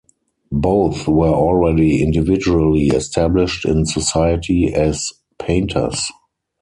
Both were already individually established in society as painters.